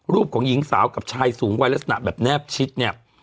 ของหญิงสาวกับชายสูงวัยลักษณะแบบแนบชิดเนี่ย